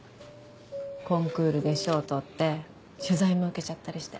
コンクールで賞取って取材も受けちゃったりして。